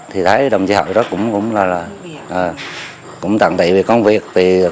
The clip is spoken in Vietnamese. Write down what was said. thì thấy đồng chí hội đó cũng tặng tị về công việc